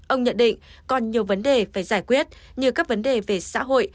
ông nhận định còn nhiều vấn đề phải giải quyết như các vấn đề về xã hội